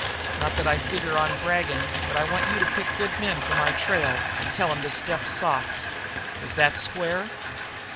Not that I figure on bragging, but I want you to pick good men for my trail and tell 'em to step soft. Is that square?"